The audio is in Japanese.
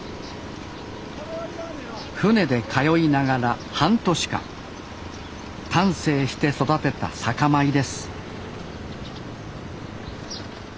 船で通いながら半年間丹精して育てた酒米です